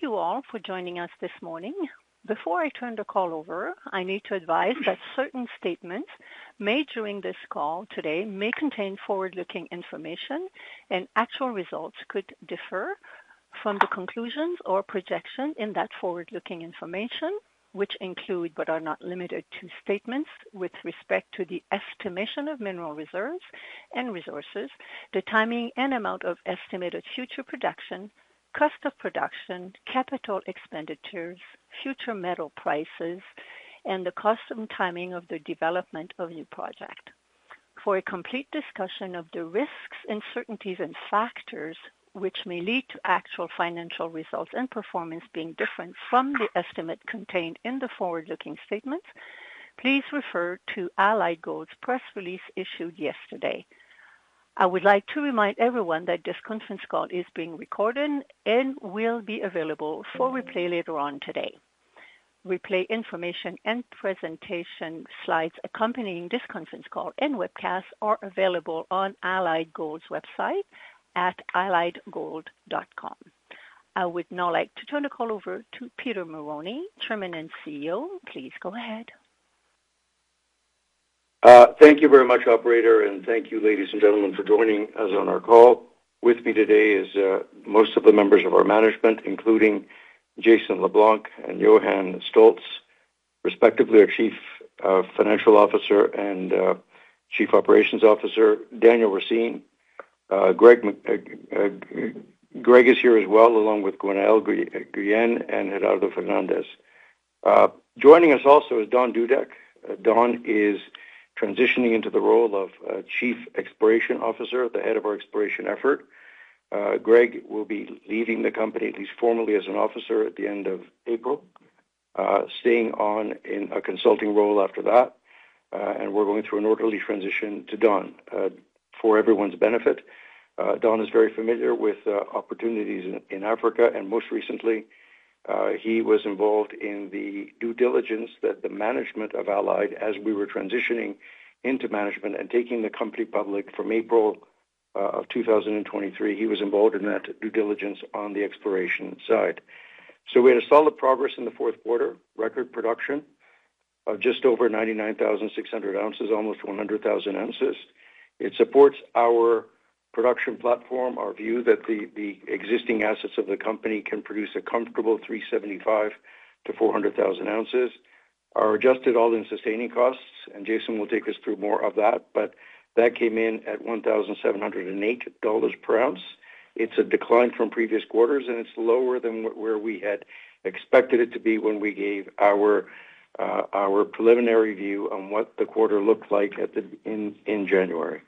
Thank you all for joining us this morning. Before I turn the call over, I need to advise that certain statements made during this call today may contain forward-looking information, and actual results could differ from the conclusions or projections in that forward-looking information, which include but are not limited to statements with respect to the estimation of mineral reserves and resources, the timing and amount of estimated future production, cost of production, capital expenditures, future metal prices, and the cost and timing of the development of your project. For a complete discussion of the risks, uncertainties, and factors which may lead to actual financial results and performance being different from the estimate contained in the forward-looking statements, please refer to Allied Gold's press release issued yesterday. I would like to remind everyone that this conference call is being recorded and will be available for replay later on today. Replay information and presentation slides accompanying this conference call and webcast are available on Allied Gold's website at alliedgold.com. I would now like to turn the call over to Peter Marrone, Chairman and CEO. Please go ahead. Thank you very much, Operator, and thank you, ladies and gentlemen, for joining us on our call. With me today are most of the members of our management, including Jason LeBlanc and Johannes Stoltz, respectively our Chief Financial Officer and Chief Operations Officer, Daniel Racine. Greg is here as well, along with Gwennael Guillen and Gerardo Fernandez. Joining us also is Don Dudek. Don is transitioning into the role of Chief Exploration Officer, the head of our exploration effort. Greg will be leaving the company, at least formally, as an officer at the end of April, staying on in a consulting role after that. We are going through an orderly transition to Don. For everyone's benefit, Don is very familiar with opportunities in Africa, and most recently, he was involved in the due diligence that the management of Allied, as we were transitioning into management and taking the company public from April of 2023, he was involved in that due diligence on the exploration side. We had a solid progress in the fourth quarter, record production of just over 99,600 ounces, almost 100,000 ounces. It supports our production platform, our view that the existing assets of the company can produce a comfortable 375,000-400,000 ounces. Our adjusted all-in sustaining costs, and Jason will take us through more of that, but that came in at $1,708 per ounce. It is a decline from previous quarters, and it is lower than where we had expected it to be when we gave our preliminary view on what the quarter looked like in January.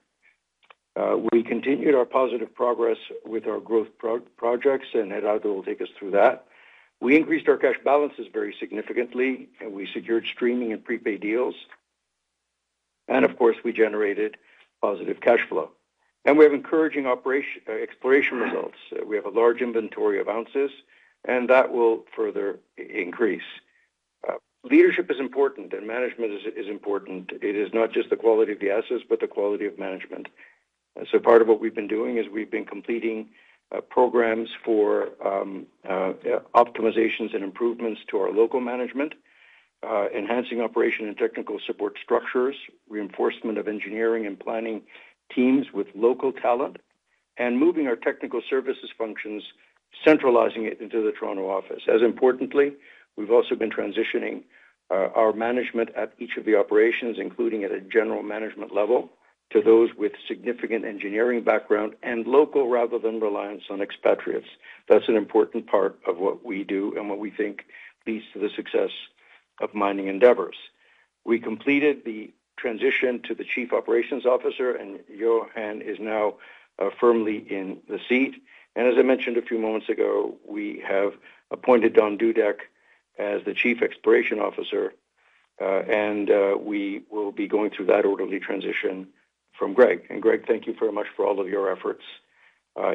We continued our positive progress with our growth projects, and Gerardo will take us through that. We increased our cash balances very significantly, and we secured streaming and prepaid deals. Of course, we generated positive cash flow. We have encouraging exploration results. We have a large inventory of ounces, and that will further increase. Leadership is important, and management is important. It is not just the quality of the assets, but the quality of management. Part of what we have been doing is completing programs for optimizations and improvements to our local management, enhancing operation and technical support structures, reinforcement of engineering and planning teams with local talent, and moving our technical services functions, centralizing it into the Toronto office. As importantly, we've also been transitioning our management at each of the operations, including at a general management level, to those with significant engineering background and local rather than reliance on expatriates. That's an important part of what we do and what we think leads to the success of mining endeavors. We completed the transition to the Chief Operations Officer, and Johan is now firmly in the seat. As I mentioned a few moments ago, we have appointed Don Dudek as the Chief Exploration Officer, and we will be going through that orderly transition from Greg. Greg, thank you very much for all of your efforts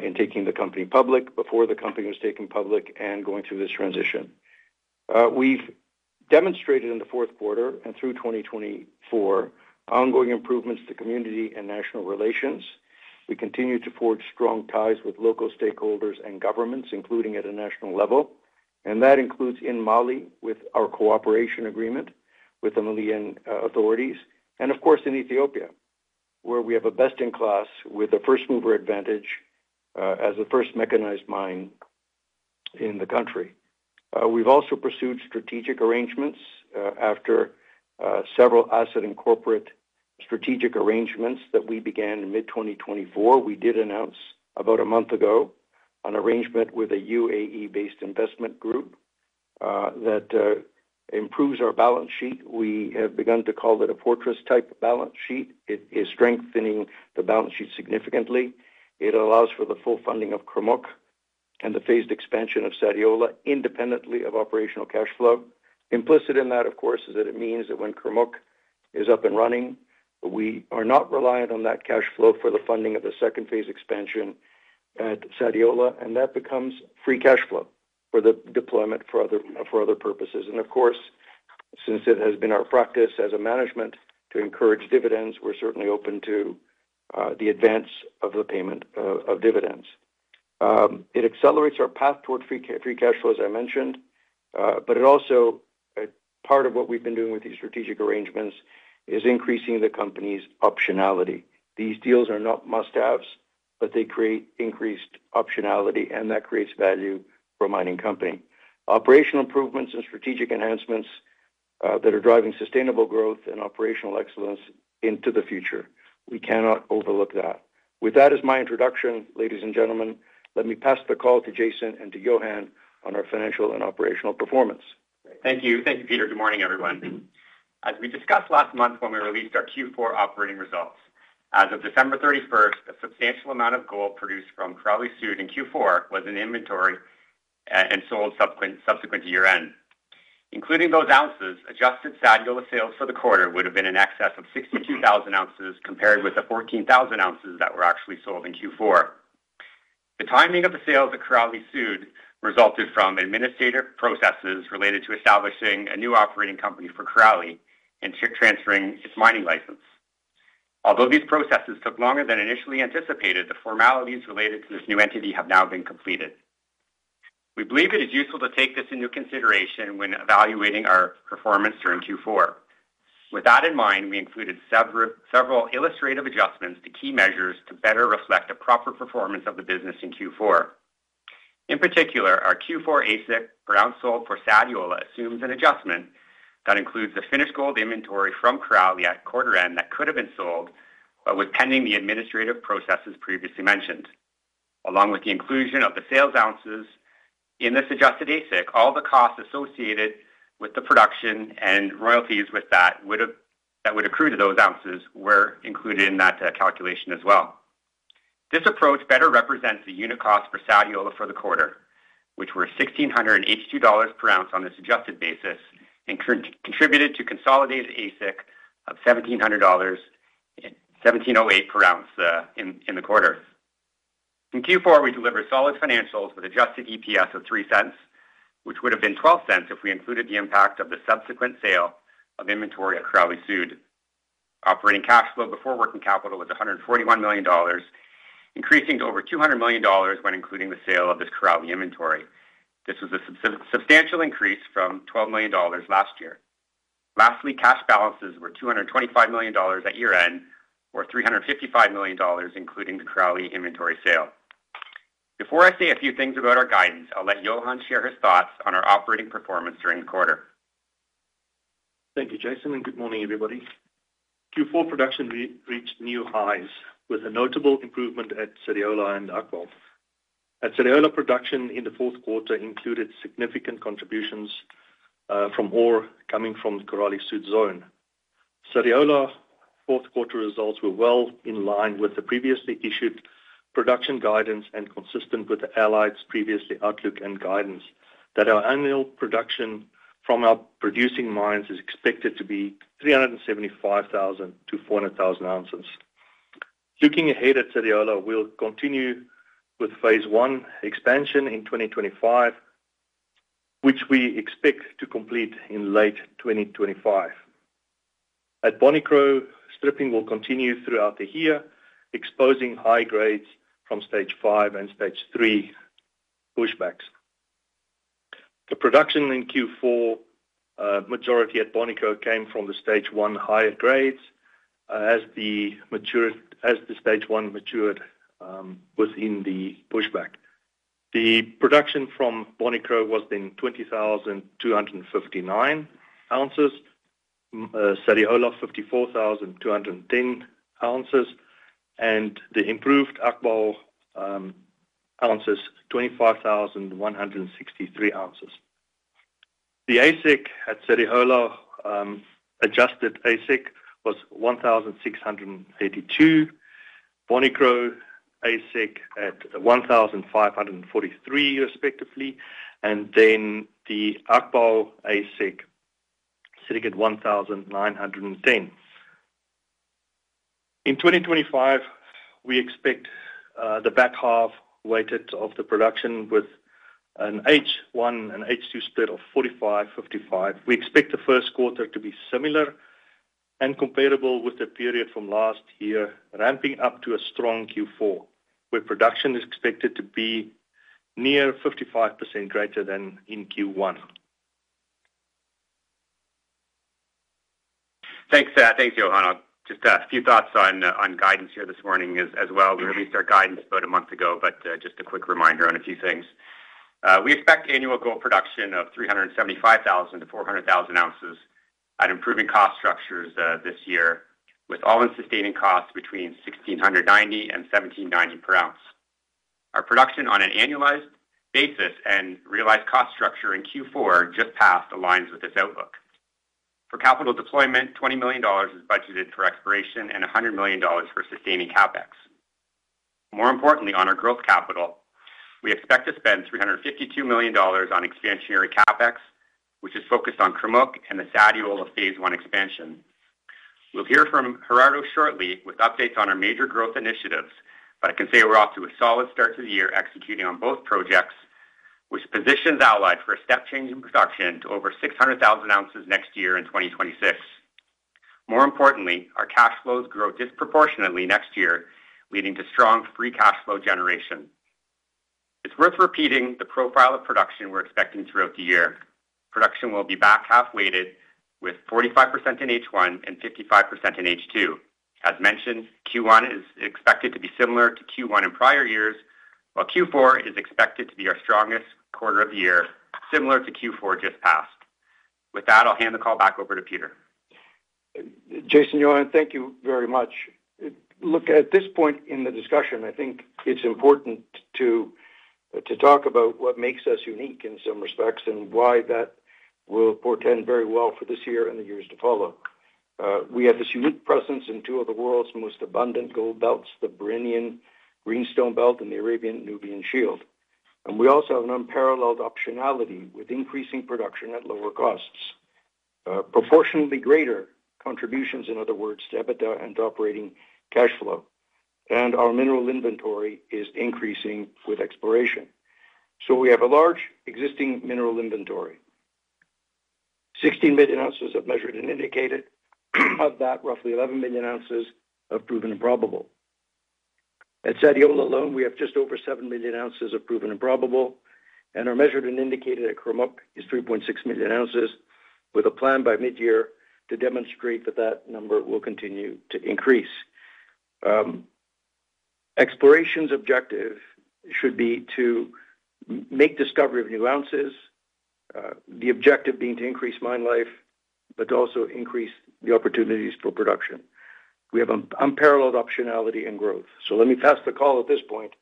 in taking the company public, before the company was taken public, and going through this transition. We've demonstrated in the fourth quarter and through 2024 ongoing improvements to community and national relations. We continue to forge strong ties with local stakeholders and governments, including at a national level. That includes in Mali with our cooperation agreement with the Malian authorities. Of course, in Ethiopia, we have a best-in-class with a first-mover advantage as the first mechanized mine in the country. We have also pursued strategic arrangements after several asset and corporate strategic arrangements that we began in mid-2024. We did announce about a month ago an arrangement with a UAE-based investment group that improves our balance sheet. We have begun to call it a fortress-type balance sheet. It is strengthening the balance sheet significantly. It allows for the full funding of Kurmuk and the phased expansion of Sadiola independently of operational cash flow. Implicit in that, of course, is that it means that when Kurmuk is up and running, we are not reliant on that cash flow for the funding of the second phase expansion at Sadiola, and that becomes free cash flow for the deployment for other purposes. Of course, since it has been our practice as a management to encourage dividends, we're certainly open to the advance of the payment of dividends. It accelerates our path toward free cash flow, as I mentioned, but it also, part of what we've been doing with these strategic arrangements, is increasing the company's optionality. These deals are not must-haves, but they create increased optionality, and that creates value for a mining company. Operational improvements and strategic enhancements that are driving sustainable growth and operational excellence into the future. We cannot overlook that. With that as my introduction, ladies and gentlemen, let me pass the call to Jason and to Johannes on our financial and operational performance. Thank you. Thank you, Peter. Good morning, everyone. As we discussed last month when we released our Q4 operating results, as of December 31, a substantial amount of gold produced from Korali-Sud in Q4 was in inventory and sold subsequent to year-end. Including those ounces, adjusted Sadiola sales for the quarter would have been in excess of 62,000 ounces compared with the 14,000 ounces that were actually sold in Q4. The timing of the sales at Korali-Sud resulted from administrative processes related to establishing a new operating company for Korali and transferring its mining license. Although these processes took longer than initially anticipated, the formalities related to this new entity have now been completed. We believe it is useful to take this into consideration when evaluating our performance during Q4. With that in mind, we included several illustrative adjustments to key measures to better reflect a proper performance of the business in Q4. In particular, our Q4 AISC per ounce sold for Sadiola assumes an adjustment that includes the finished gold inventory from Korali at quarter-end that could have been sold, but with pending the administrative processes previously mentioned, along with the inclusion of the sales ounces. In this adjusted AISC, all the costs associated with the production and royalties with that that would accrue to those ounces were included in that calculation as well. This approach better represents the unit cost for Sadiola for the quarter, which were $1,682 per ounce on this adjusted basis and contributed to consolidated AISC of $1,700-$1,708 per ounce in the quarter. In Q4, we delivered solid financials with Adjusted EPS of $0.03, which would have been $0.12 if we included the impact of the subsequent sale of inventory at Korali-Sud. Operating cash flow before working capital was $141 million, increasing to over $200 million when including the sale of this Korali inventory. This was a substantial increase from $12 million last year. Lastly, cash balances were $225 million at year-end or $355 million, including the Korali inventory sale. Before I say a few things about our guidance, I'll let Johannes share his thoughts on our operating performance during the quarter. Thank you, Jason, and good morning, everybody. Q4 production reached new highs with a notable improvement at Sadiola and Agbaou. At Sadiola, production in the fourth quarter included significant contributions from ore coming from the Korali-Sud zone. Sadiola fourth quarter results were well in line with the previously issued production guidance and consistent with Allied Gold's previous outlook and guidance that our annual production from our producing mines is expected to be 375,000-400,000 ounces. Looking ahead at Sadiola, we'll continue with phase one expansion in 2025, which we expect to complete in late 2025. At Bonikro, stripping will continue throughout the year, exposing high grades from stage five and stage three pushbacks. The production in Q4 majority at Bonikro came from the stage one higher grades as the stage one matured within the pushback. The production from Bonikro was then 20,259 ounces, Sadiola 54,210 ounces, and the improved Agbaou ounces 25,163 ounces. The AISC at Sadiola, Adjusted AISC was $1,682, Bonikro AISC at $1,543, respectively, and then the Agbaou AISC sitting at $1,910. In 2025, we expect the back half weighted of the production with an H1 and H2 split of 45, 55. We expect the first quarter to be similar and comparable with the period from last year, ramping up to a strong Q4, where production is expected to be near 55% greater than in Q1. Thanks, Johannes. Just a few thoughts on guidance here this morning as well. We released our guidance about a month ago, but just a quick reminder on a few things. We expect annual gold production of 375,000-400,000 ounces at improving cost structures this year, with all-in sustaining costs between $1,690-$1,790 per ounce. Our production on an annualized basis and realized cost structure in Q4 just passed aligns with this outlook. For capital deployment, $20 million is budgeted for exploration and $100 million for sustaining CapEx. More importantly, on our growth capital, we expect to spend $352 million on expansionary CapEx, which is focused on Kurmuk and the Sadiola phase one expansion. We'll hear from Gerardo shortly with updates on our major growth initiatives, but I can say we're off to a solid start to the year executing on both projects, which positions Allied for a step change in production to over 600,000 ounces next year in 2026. More importantly, our cash flows grow disproportionately next year, leading to strong free cash flow generation. It's worth repeating the profile of production we're expecting throughout the year. Production will be back half-weighted with 45% in H1 and 55% in H2. As mentioned, Q1 is expected to be similar to Q1 in prior years, while Q4 is expected to be our strongest quarter of the year, similar to Q4 just passed. With that, I'll hand the call back over to Peter. Jason, Johannes, thank you very much. Look, at this point in the discussion, I think it's important to talk about what makes us unique in some respects and why that will portend very well for this year and the years to follow. We have this unique presence in two of the world's most abundant gold belts, the Birimian Greenstone Belt and the Arabian-Nubian Shield. We also have an unparalleled optionality with increasing production at lower costs, proportionally greater contributions, in other words, to EBITDA and operating cash flow. Our mineral inventory is increasing with exploration. We have a large existing mineral inventory, 16 million ounces of measured and indicated, of that roughly 11 million ounces of proven and probable. At Sadiola alone, we have just over 7 million ounces of proven and probable, and our measured and indicated at Kurmuk is 3.6 million ounces, with a plan by midyear to demonstrate that that number will continue to increase. Exploration's objective should be to make discovery of new ounces, the objective being to increase mine life, but also increase the opportunities for production. We have an unparalleled optionality in growth. Let me pass the call at this point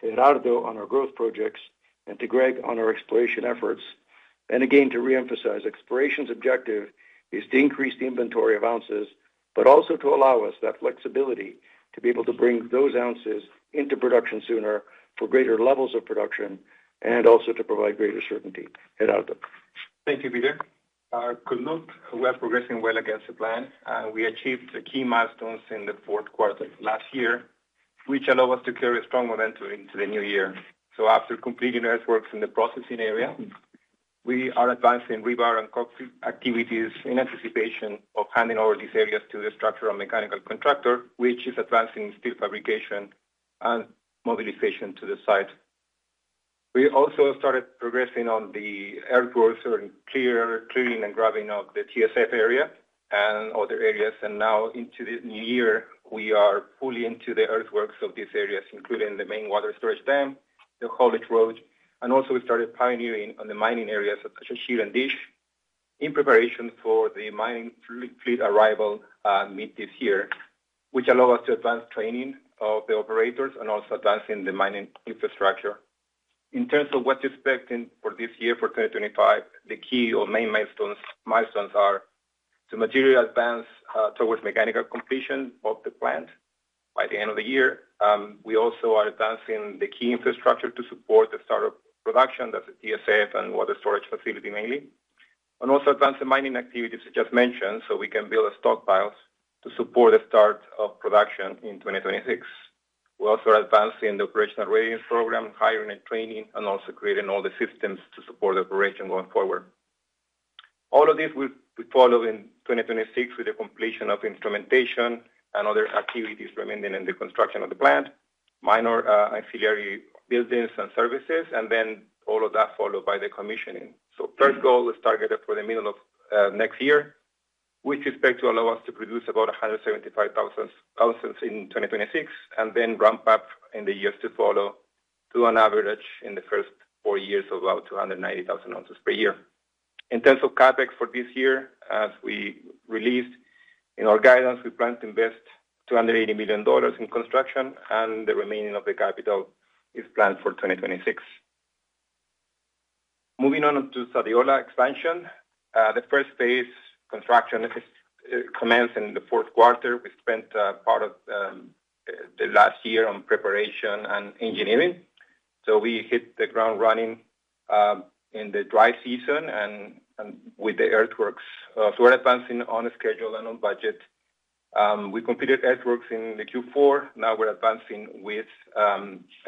to Gerardo on our growth projects and to Greg on our exploration efforts. Again, to reemphasize, exploration's objective is to increase the inventory of ounces, but also to allow us that flexibility to be able to bring those ounces into production sooner for greater levels of production and also to provide greater certainty. Gerardo. Thank you, Peter. At Kurmuk, we are progressing well against the plan. We achieved key milestones in the fourth quarter last year, which allow us to carry a strong momentum into the new year. After completing earthworks in the processing area, we are advancing rebar and concrete activities in anticipation of handing over these areas to the structural mechanical contractor, which is advancing steel fabrication and mobilization to the site. We also started progressing on the earthworks or clearing and grubbing of the TSF area and other areas. Now into the new year, we are fully into the earthworks of these areas, including the main water storage dam, the haulage road, and also we started pioneering on the mining areas of Ashashire and Dish in preparation for the mining fleet arrival mid this year, which allow us to advance training of the operators and also advancing the mining infrastructure. In terms of what to expect for this year, for 2025, the key or main milestones are to materially advance towards mechanical completion of the plant by the end of the year. We also are advancing the key infrastructure to support the start of production, that's the TSF and water storage facility mainly, and also advancing mining activities, as just mentioned, so we can build stockpiles to support the start of production in 2026. We also are advancing the operational readiness program, hiring and training, and also creating all the systems to support the operation going forward. All of this will be followed in 2026 with the completion of instrumentation and other activities remaining in the construction of the plant, minor auxiliary buildings and services, and all of that followed by the commissioning. The first goal is targeted for the middle of next year, which is expected to allow us to produce about 175,000 ounces in 2026 and then ramp up in the years to follow to an average in the first four years of about 290,000 ounces per year. In terms of CapEx for this year, as we released in our guidance, we plan to invest $280 million in construction, and the remaining of the capital is planned for 2026. Moving on to Sadiola expansion, the first phase construction commenced in the fourth quarter. We spent part of the last year on preparation and engineering. We hit the ground running in the dry season with the earthworks. We are advancing on a schedule and on budget. We completed earthworks in Q4. Now we are advancing with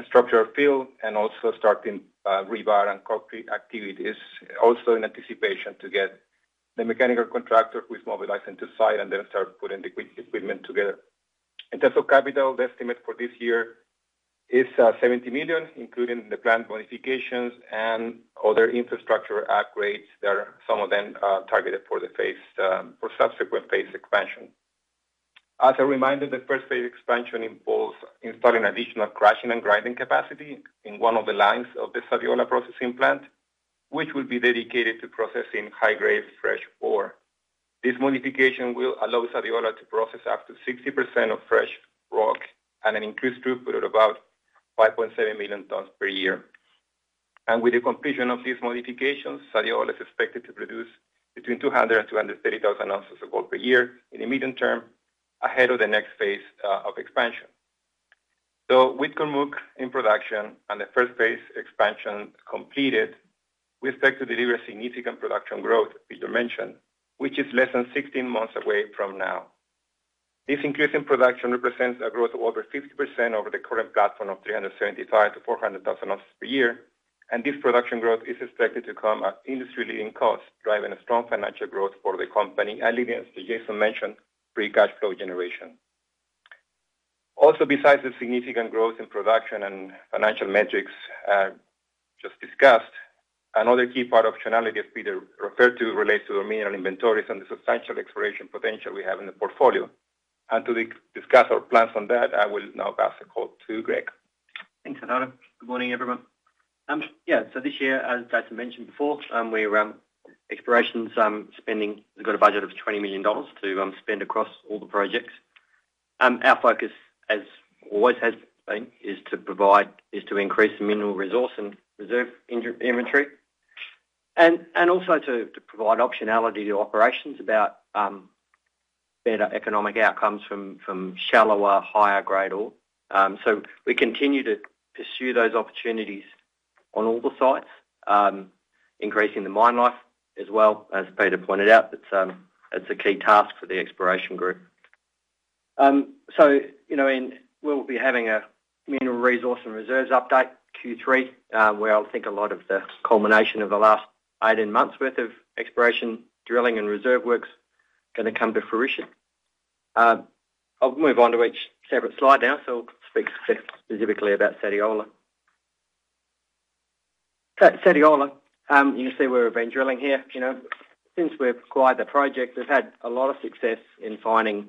structural fill and also starting rebar and concrete activities, also in anticipation to get the mechanical contractor, who is mobilizing to site, and then start putting the equipment together. In terms of capital, the estimate for this year is $70 million, including the plant modifications and other infrastructure upgrades that are, some of them, targeted for the subsequent phase expansion. As a reminder, the first phase expansion involves installing additional crushing and grinding capacity in one of the lines of the Sadiola processing plant, which will be dedicated to processing high-grade fresh ore. This modification will allow Sadiola to process up to 60% of fresh rock and an increased throughput of about 5.7 million tons per year. With the completion of these modifications, Sadiola is expected to produce between 200,000 and 230,000 ounces of gold per year in the medium term ahead of the next phase of expansion. With Kurmuk in production and the first phase expansion completed, we expect to deliver significant production growth, Peter mentioned, which is less than 16 months away from now. This increase in production represents a growth of over 50% over the current platform of 375,000-400,000 ounces per year. This production growth is expected to come at industry-leading costs, driving a strong financial growth for the company and leading us to, Jason mentioned, free cash flow generation. Also, besides the significant growth in production and financial metrics just discussed, another key part of the optionality that Peter referred to relates to the mineral inventories and the substantial exploration potential we have in the portfolio. To discuss our plans on that, I will now pass the call to Greg. Thanks, Gerardo. Good morning, everyone. Yeah, this year, as Jason mentioned before, we're exploration spending. We've got a budget of $20 million to spend across all the projects. Our focus, as always has been, is to provide, is to increase the mineral resource and reserve inventory and also to provide optionality to operations about better economic outcomes from shallower, higher-grade ore. We continue to pursue those opportunities on all the sites, increasing the mine life as well as Peter pointed out. It's a key task for the exploration group. We'll be having a mineral resource and reserves update Q3, where I think a lot of the culmination of the last 18 months' worth of exploration, drilling, and reserve work is going to come to fruition. I'll move on to each separate slide now, so I'll speak specifically about Sadiola. Sadiola, you can see we're advance drilling here. Since we've acquired the project, we've had a lot of success in finding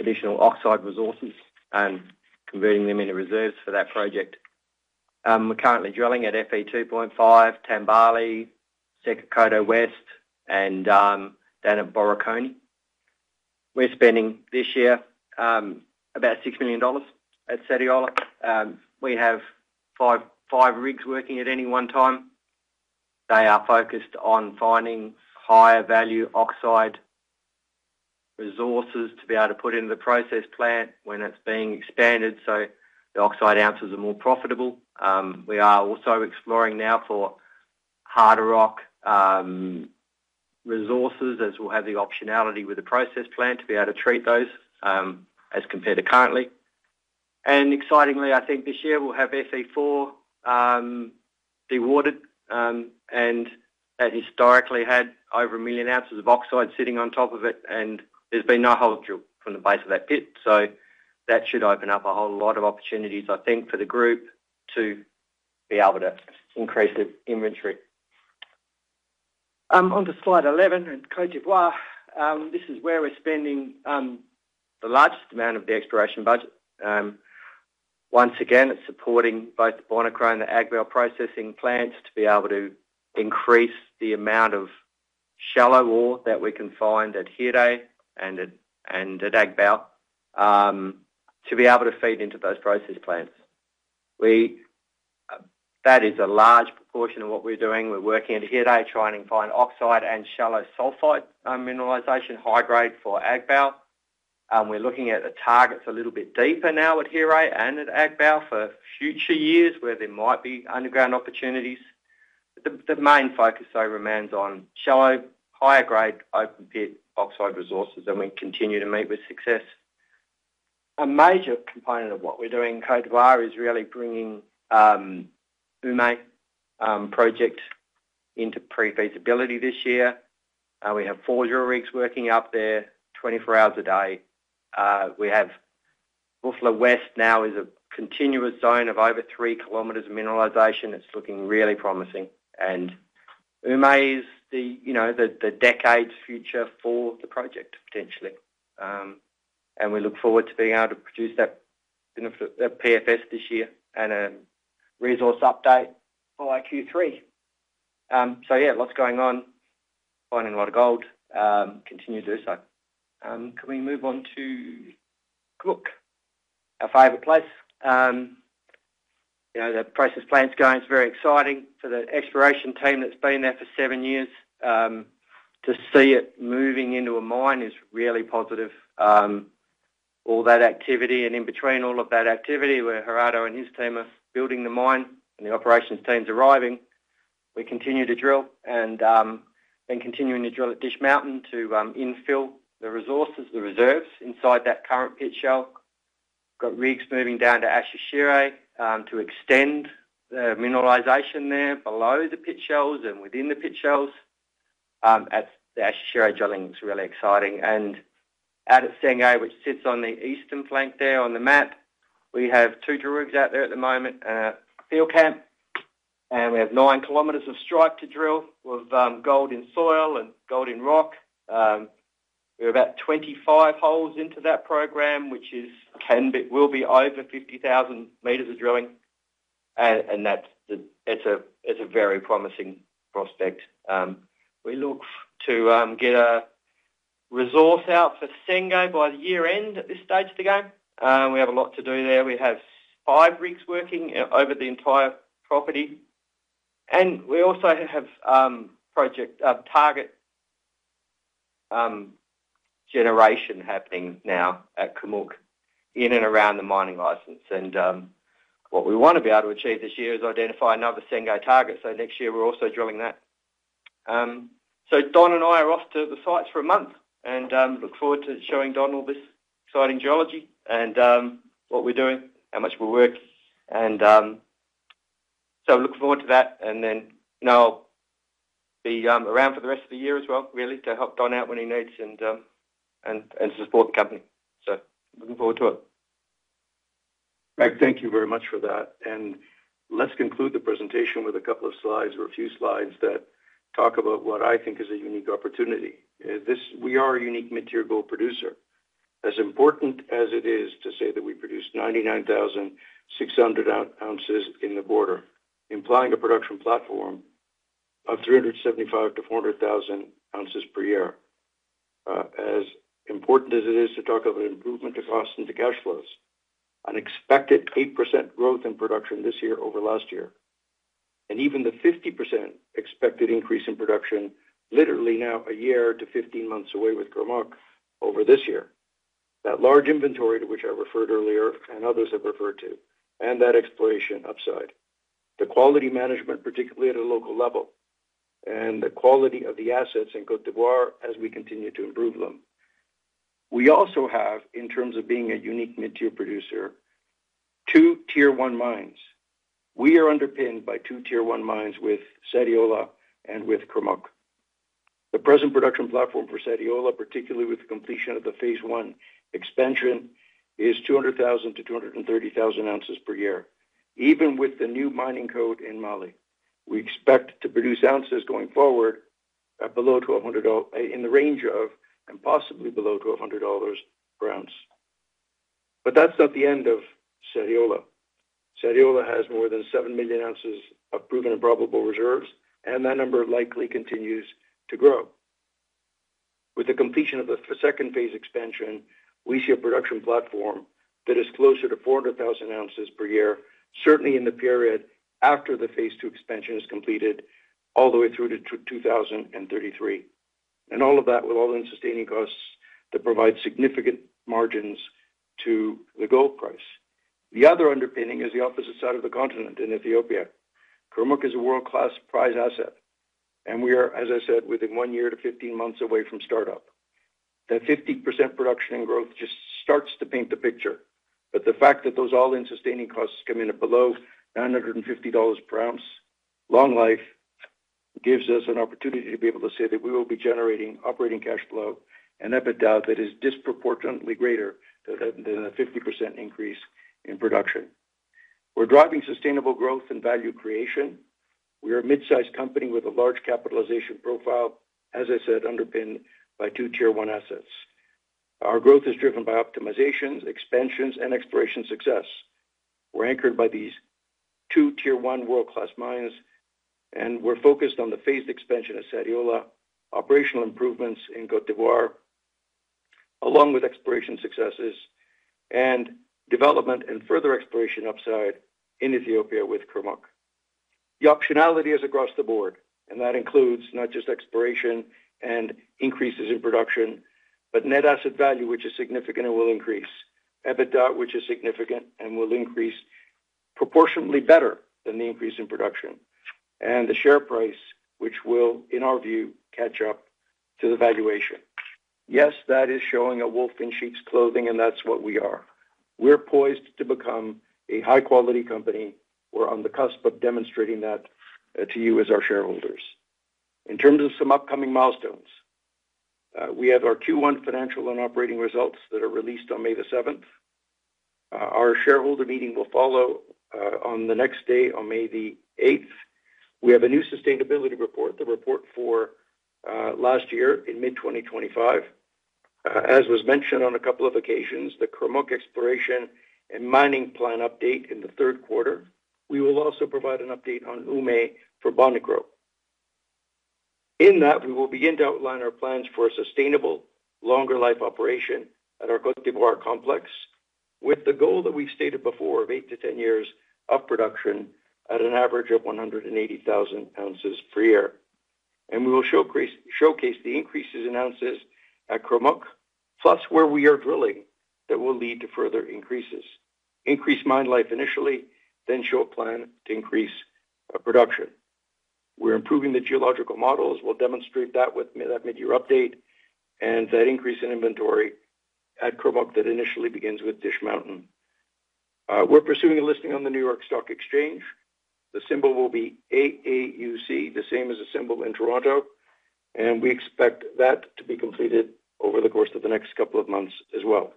additional oxide resources and converting them into reserves for that project. We're currently drilling at FE2.5, Tambali, Sekokoto West, and Danuborokoni. We're spending this year about $6 million at Sadiola. We have five rigs working at any one time. They are focused on finding higher-value oxide resources to be able to put into the process plant when it's being expanded so the oxide ounces are more profitable. We are also exploring now for harder rock resources as we'll have the optionality with the process plant to be able to treat those as compared to currently. Excitingly, I think this year we'll have FE4 dewatered, and that historically had over a million ounces of oxide sitting on top of it, and there's been no haulage from the base of that pit. That should open up a whole lot of opportunities, I think, for the group to be able to increase its inventory. Onto slide 11 and Côte d'Ivoire, this is where we're spending the largest amount of the exploration budget. Once again, it's supporting both the Bonikro and the Agbaou processing plants to be able to increase the amount of shallow ore that we can find at Hiré and at Agbaou to be able to feed into those process plants. That is a large proportion of what we're doing. We're working at Hiré, trying to find oxide and shallow sulfide mineralization, high-grade for Agbaou. We're looking at the targets a little bit deeper now at Hiré and at Agbaou for future years where there might be underground opportunities. The main focus, though, remains on shallow, higher-grade, open-pit oxide resources, and we continue to meet with success. A major component of what we're doing in Côte d'Ivoire is really bringing Oumé project into pre-feasibility this year. We have four Eurorigs working up there 24 hours a day. We have Dougbafla West now is a continuous zone of over 3 kilometers of mineralization. It's looking really promising. Oumé is the decade's future for the project, potentially. We look forward to being able to produce that PFS this year and a resource update for Q3. Yeah, lots going on, finding a lot of gold, continue to do so. Can we move on to Kurmuk, our favorite place? The process plant's going is very exciting for the exploration team that's been there for seven years. To see it moving into a mine is really positive. All that activity and in between all of that activity, where Gerardo and his team are building the mine and the operations team's arriving, we continue to drill and then continuing to drill at Dish Mountain to infill the resources, the reserves inside that current pit shell. We've got rigs moving down to Ashashire to extend the mineralization there below the pit shells and within the pit shells. The Ashashire drilling is really exciting. Out at Tsenge, which sits on the eastern flank there on the map, we have two drill rigs out there at the moment, a field camp, and we have 9 km of strike to drill with gold in soil and gold in rock. We're about 25 holes into that program, which will be over 50,000 meters of drilling. It is a very promising prospect. We look to get a resource out for Tsenge by the year-end at this stage of the game. We have a lot to do there. We have five rigs working over the entire property. We also have target generation happening now at Kurmuk in and around the mining license. What we want to be able to achieve this year is identify another Tsenge target. Next year, we're also drilling that. Don and I are off to the sites for a month and look forward to showing Don all this exciting geology and what we're doing, how much we're working. I look forward to that. I'll be around for the rest of the year as well, really, to help Don out when he needs and support the company. Looking forward to it. Greg, thank you very much for that. Let's conclude the presentation with a couple of slides or a few slides that talk about what I think is a unique opportunity. We are a unique material producer. As important as it is to say that we produce 99,600 ounces in the border, implying a production platform of 375,000-400,000 ounces per year. As important as it is to talk of an improvement to costs and to cash flows, an expected 8% growth in production this year over last year, and even the 50% expected increase in production literally now a year to 15 months away with Kurmuk over this year, that large inventory to which I referred earlier and others have referred to, and that exploration upside, the quality management, particularly at a local level, and the quality of the assets in Côte d'Ivoire as we continue to improve them. We also have, in terms of being a unique mid-tier producer, two tier-one mines. We are underpinned by two tier-one mines with Sadiola and with Kurmuk. The present production platform for Sadiola, particularly with the completion of the phase one expansion, is 200,000-230,000 ounces per year. Even with the new mining code in Mali, we expect to produce ounces going forward below $1,200 in the range of and possibly below $1,200 per ounce. That is not the end of Sadiola. Sadiola has more than 7 million ounces of proven and probable reserves, and that number likely continues to grow. With the completion of the second phase expansion, we see a production platform that is closer to 400,000 ounces per year, certainly in the period after the phase two expansion is completed all the way through to 2033. All of that will all-in sustaining costs that provide significant margins to the gold price. The other underpinning is the opposite side of the continent in Ethiopia. Kurmuk is a world-class prize asset. We are, as I said, within one year to 15 months away from startup. That 50% production and growth just starts to paint the picture. The fact that those all-in sustaining costs come in at below $950 per ounce long life gives us an opportunity to be able to say that we will be generating operating cash flow, an EBITDA that is disproportionately greater than a 50% increase in production. We are driving sustainable growth and value creation. We are a mid-sized company with a large capitalization profile, as I said, underpinned by two tier-one assets. Our growth is driven by optimizations, expansions, and exploration success. We are anchored by these two tier-one world-class mines, and we are focused on the phased expansion of Sadiola, operational improvements in Côte d'Ivoire, along with exploration successes and development and further exploration upside in Ethiopia with Kurmuk. The optionality is across the board, and that includes not just exploration and increases in production, but net asset value, which is significant and will increase, EBITDA, which is significant and will increase proportionately better than the increase in production, and the share price, which will, in our view, catch up to the valuation. Yes, that is showing a wolf in sheep's clothing, and that's what we are. We're poised to become a high-quality company. We're on the cusp of demonstrating that to you as our shareholders. In terms of some upcoming milestones, we have our Q1 financial and operating results that are released on May the 7th. Our shareholder meeting will follow on the next day, on May the 8th. We have a new sustainability report, the report for last year in mid-2025. As was mentioned on a couple of occasions, the Kurmuk exploration and mining plan update in the third quarter. We will also provide an update on Oumé for Bonikro. In that, we will begin to outline our plans for a sustainable, longer-life operation at our Côte d'Ivoire complex with the goal that we've stated before of 8-10 years of production at an average of 180,000 ounces per year. We will showcase the increases in ounces at Kurmuk, plus where we are drilling that will lead to further increases. Increase mine life initially, then show a plan to increase production. We're improving the geological models. We'll demonstrate that with that mid-year update and that increase in inventory at Kurmuk that initially begins with Dish Mountain. We're pursuing a listing on the New York Stock Exchange. The symbol will be AAUC, the same as the symbol in Toronto. We expect that to be completed over the course of the next couple of months as well.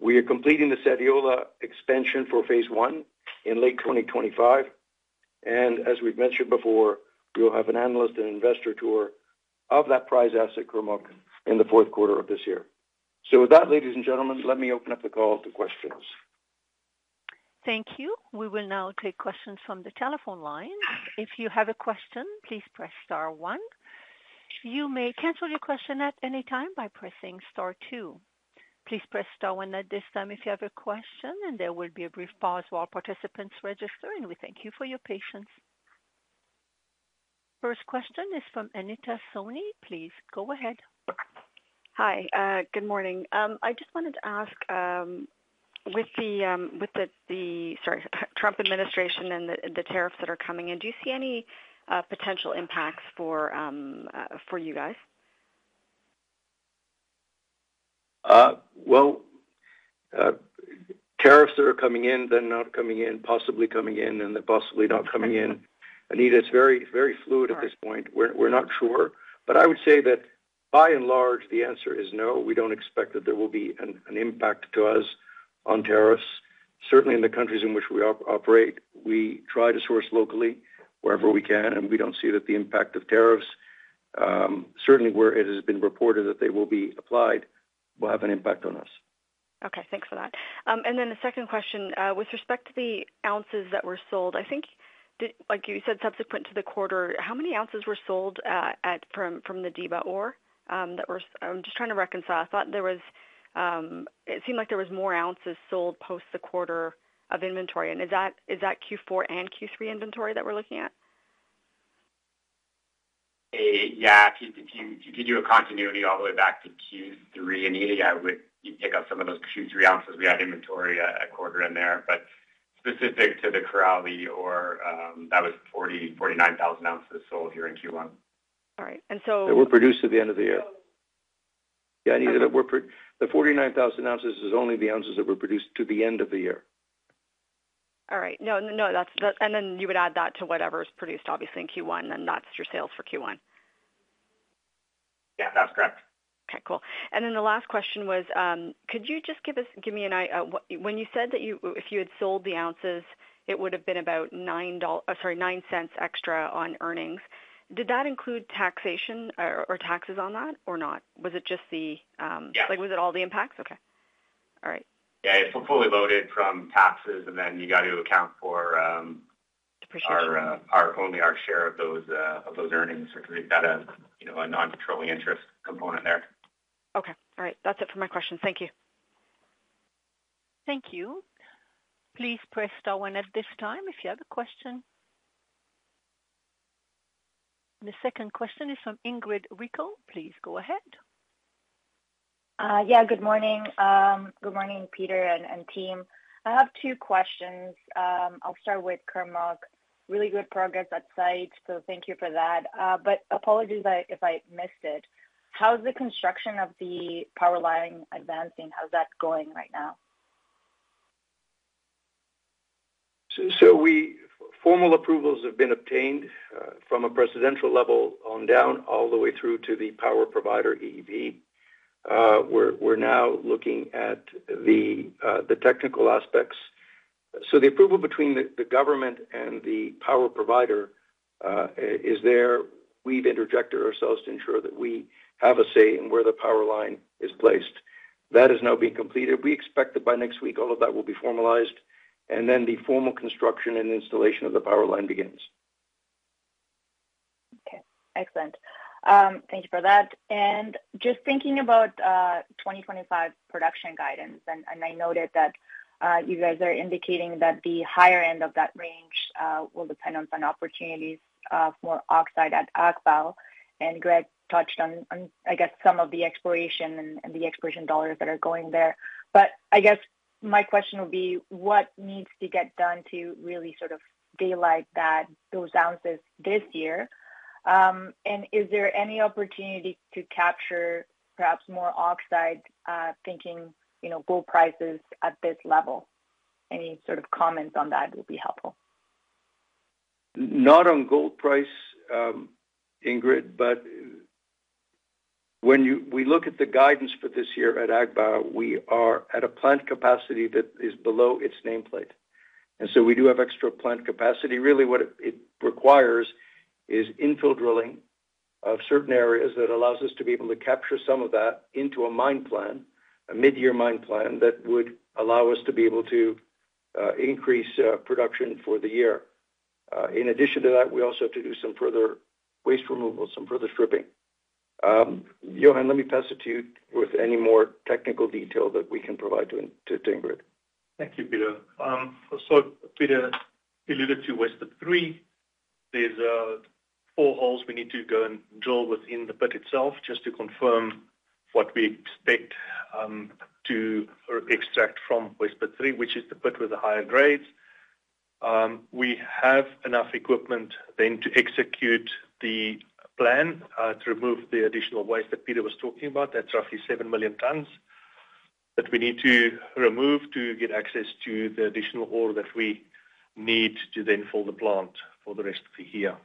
We are completing the Sadiola expansion for phase one in late 2025. As we've mentioned before, we will have an analyst and investor tour of that prize asset, Kurmuk, in the fourth quarter of this year. With that, ladies and gentlemen, let me open up the call to questions. Thank you. We will now take questions from the telephone line. If you have a question, please press star one. You may cancel your question at any time by pressing star two. Please press star one at this time if you have a question, and there will be a brief pause while participants register, and we thank you for your patience. First question is from Anita Soni. Please go ahead. Hi. Good morning. I just wanted to ask, with the, sorry, Trump administration and the tariffs that are coming in, do you see any potential impacts for you guys? Tariffs that are coming in, then not coming in, possibly coming in, and then possibly not coming in. Anita, it's very fluid at this point. We're not sure. I would say that, by and large, the answer is no. We don't expect that there will be an impact to us on tariffs. Certainly, in the countries in which we operate, we try to source locally wherever we can, and we don't see that the impact of tariffs, certainly where it has been reported that they will be applied, will have an impact on us. Okay. Thanks for that. The second question, with respect to the ounces that were sold, I think, like you said, subsequent to the quarter, how many ounces were sold from the Diba ore that were—I am just trying to reconcile. I thought there was—it seemed like there were more ounces sold post the quarter of inventory. Is that Q4 and Q3 inventory that we are looking at? Yeah. If you could do a continuity all the way back to Q3, Anita, you'd pick up some of those Q3 ounces we had inventory a quarter in there. But specific to the Korali ore, that was 49,000 ounces sold here in Q1. All right. So. That were produced at the end of the year. Yeah, Anita, the 49,000 ounces is only the ounces that were produced to the end of the year. All right. No, no. You would add that to whatever's produced, obviously, in Q1, and that's your sales for Q1. Yeah, that's correct. Okay. Cool. The last question was, could you just give me an—when you said that if you had sold the ounces, it would have been about $9 extra on earnings, did that include taxation or taxes on that or not? Was it just the— Yeah. Was it all the impacts? Okay. All right. Yeah. It's fully loaded from taxes, and then you got to account for. Depreciation. Our only share of those earnings, which we've got a non-controlling interest component there. Okay. All right. That's it for my questions. Thank you. Thank you. Please press star one at this time if you have a question. The second question is from Ingrid Wickle. Please go ahead. Yeah. Good morning. Good morning, Peter and team. I have two questions. I'll start with Kurmuk. Really good progress at site, so thank you for that. Apologies if I missed it. How's the construction of the power line advancing? How's that going right now? Formal approvals have been obtained from a presidential level on down all the way through to the power provider, EEP. We are now looking at the technical aspects. The approval between the government and the power provider is there. We have interjected ourselves to ensure that we have a say in where the power line is placed. That is now being completed. We expect that by next week, all of that will be formalized, and then the formal construction and installation of the power line begins. Okay. Excellent. Thank you for that. Just thinking about 2025 production guidance, I noted that you guys are indicating that the higher end of that range will depend on some opportunities for oxide at Agbaou. Greg touched on, I guess, some of the exploration and the exploration dollars that are going there. I guess my question would be, what needs to get done to really sort of daylight those ounces this year? Is there any opportunity to capture perhaps more oxide thinking gold prices at this level? Any sort of comments on that would be helpful. Not on gold price, Ingrid, but when we look at the guidance for this year at Agbaou, we are at a plant capacity that is below its nameplate. We do have extra plant capacity. Really, what it requires is infill drilling of certain areas that allows us to be able to capture some of that into a mine plan, a mid-year mine plan that would allow us to be able to increase production for the year. In addition to that, we also have to do some further waste removal, some further stripping. Johannes, let me pass it to you with any more technical detail that we can provide to Ingrid. Thank you, Peter. Peter alluded to West Pit 3. there are four holes we need to go and drill within the pit itself just to confirm what we expect to extract from West Pit 3, which is the pit with the higher grades. We have enough equipment then to execute the plan to remove the additional waste that Peter was talking about. That is roughly 7 million tons that we need to remove to get access to the additional ore that we need to then fill the plant for the rest of the year.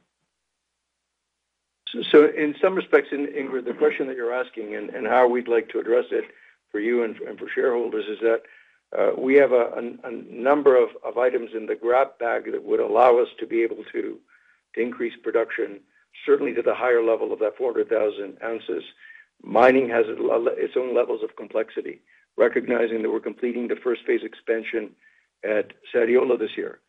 In some respects, Ingrid, the question that you're asking and how we'd like to address it for you and for shareholders is that we have a number of items in the grab bag that would allow us to be able to increase production, certainly to the higher level of that 400,000 ounces. Mining has its own levels of complexity, recognizing that we're completing the first phase expansion at Sadiola this year.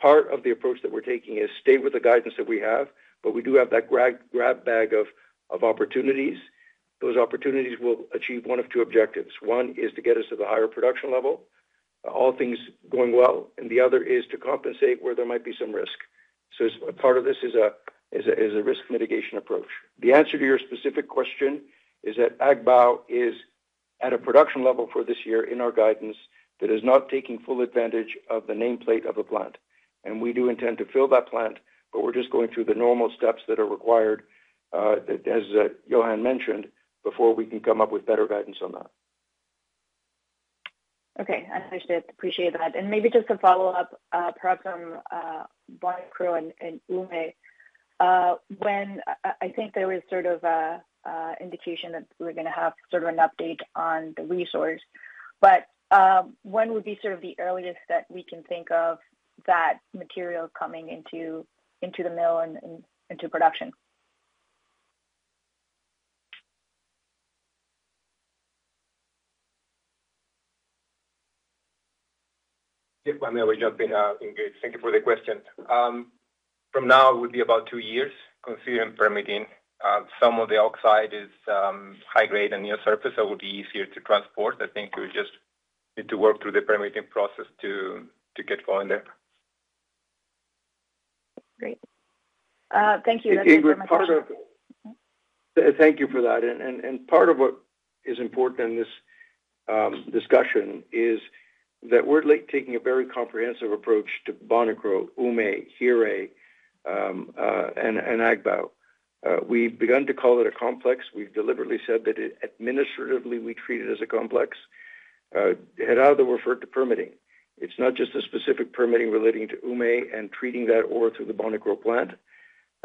Part of the approach that we're taking is stay with the guidance that we have, but we do have that grab bag of opportunities. Those opportunities will achieve one of two objectives. One is to get us to the higher production level, all things going well, and the other is to compensate where there might be some risk. Part of this is a risk mitigation approach. The answer to your specific question is that Agbaou is at a production level for this year in our guidance that is not taking full advantage of the nameplate of the plant. We do intend to fill that plant, but we are just going through the normal steps that are required, as Johannes mentioned, before we can come up with better guidance on that. Okay. I understand. Appreciate that. Maybe just to follow up, perhaps on Bonikro and Oumé, when I think there was sort of an indication that we're going to have sort of an update on the resource, but when would be sort of the earliest that we can think of that material coming into the mill and into production? Yep. I'm there with you, Ingrid. Thank you for the question. From now, it would be about two years considering permitting. Some of the oxide is high-grade and near surface, so it would be easier to transport. I think we just need to work through the permitting process to get going there. Great. Thank you. That's very much helpful. Thank you for that. Part of what is important in this discussion is that we're taking a very comprehensive approach to Bonikro, Oumé, Hiré, and Agbaou. We've begun to call it a complex. We've deliberately said that administratively we treat it as a complex. Now that we're referred to permitting, it's not just a specific permitting relating to Oumé and treating that ore through the Bonikro plant.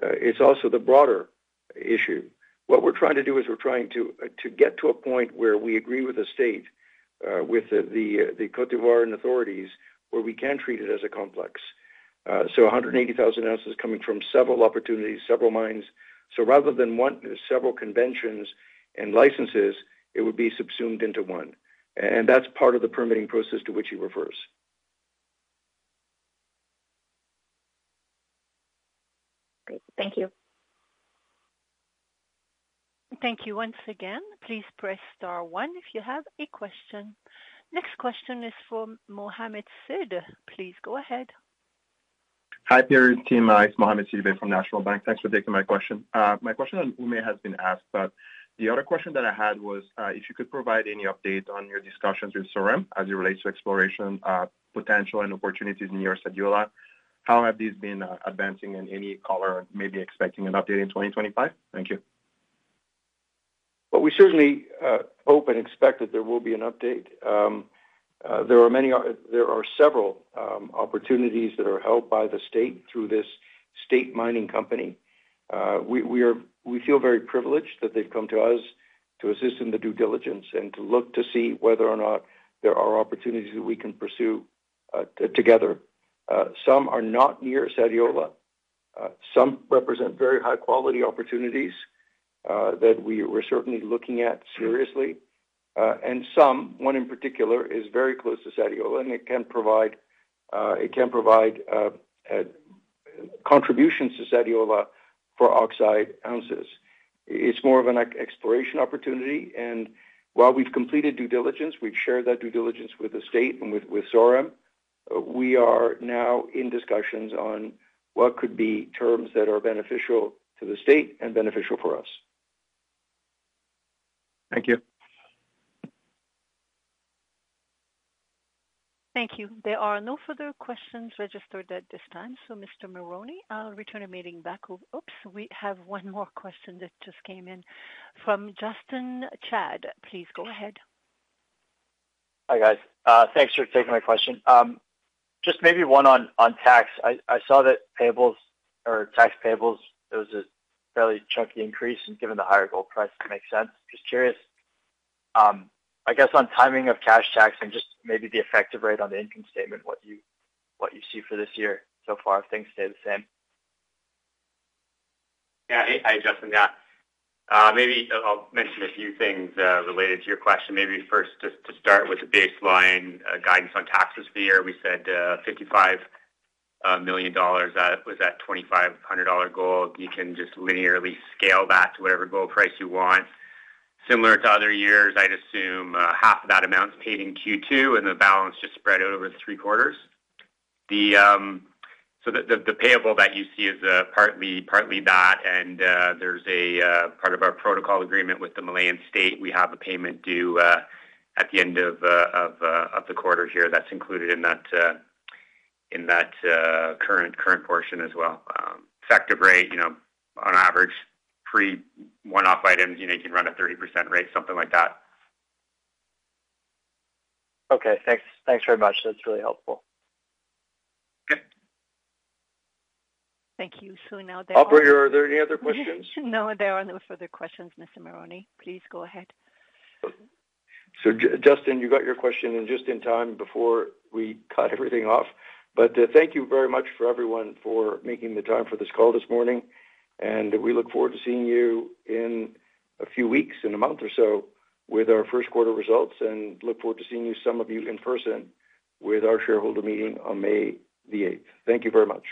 It's also the broader issue. What we're trying to do is we're trying to get to a point where we agree with the state, with the Côte d'Ivoire authorities, where we can treat it as a complex. $180,000 ounces coming from several opportunities, several mines. Rather than several conventions and licenses, it would be subsumed into one. That's part of the permitting process to which he refers. Great. Thank you. Thank you once again. Please press star one if you have a question. Next question is from Mohamed Sidibé Please go ahead. Hi there, Tim. It's Mohamed Sidibé from National Bank. Thanks for taking my question. My question on Oumé has been asked, but the other question that I had was if you could provide any update on your discussions with SOREM as it relates to exploration potential and opportunities near Sadiola. How have these been advancing and any color on maybe expecting an update in 2025? Thank you. We certainly hope and expect that there will be an update. There are several opportunities that are held by the state through this state mining company. We feel very privileged that they've come to us to assist in the due diligence and to look to see whether or not there are opportunities that we can pursue together. Some are not near Sadiola. Some represent very high-quality opportunities that we're certainly looking at seriously. Some, one in particular, is very close to Sadiola, and it can provide contributions to Sadiola for oxide ounces. It's more of an exploration opportunity. While we've completed due diligence, we've shared that due diligence with the state and with SOREM, we are now in discussions on what could be terms that are beneficial to the state and beneficial for us. Thank you. Thank you. There are no further questions registered at this time. Mr. Marrone, I'll return the meeting back. Oops. We have one more question that just came in from Justin Chad. Please go ahead. Hi guys. Thanks for taking my question. Just maybe one on tax. I saw that payables or tax payables, there was a fairly chunky increase and given the higher gold price, it makes sense. Just curious, I guess on timing of cash tax and just maybe the effective rate on the income statement, what you see for this year so far if things stay the same? Yeah. Hi, Justin. Yeah. Maybe I'll mention a few things related to your question. Maybe first, just to start with the baseline guidance on taxes for the year, we said $55 million was at $2,500 gold. You can just linearly scale that to whatever gold price you want. Similar to other years, I'd assume half of that amount's paid in Q2 and the balance just spread out over the three quarters. The payable that you see is partly that, and there's a part of our protocol agreement with the Malian state. We have a payment due at the end of the quarter here. That's included in that current portion as well. Effective rate, on average, pre-one-off items, you can run a 30% rate, something like that. Okay. Thanks very much. That's really helpful. Okay. Thank you. Now that. Operator, are there any other questions? No, there are no further questions, Mr. Marrone. Please go ahead. Justin, you got your question just in time before we cut everything off. Thank you very much for everyone for making the time for this call this morning. We look forward to seeing you in a few weeks, in a month or so, with our first quarter results and look forward to seeing some of you in person with our shareholder meeting on May the 8th. Thank you very much.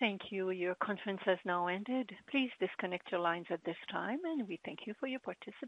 Thank you. Your conference has now ended. Please disconnect your lines at this time, and we thank you for your participation.